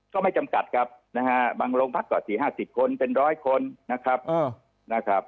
ก็ไม่จำกัดครับนะฮะบางโรงพักก็๔๕๐คนเป็นร้อยคนนะครับ